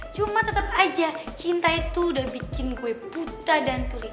cuma tetep aja cinta itu udah bikin gue buta dan tulik